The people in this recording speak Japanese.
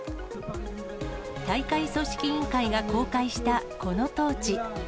大会組織委員会が公開したこのトーチ。